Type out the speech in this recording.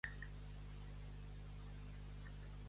Entendre-ho com els gegants, per la bragueta.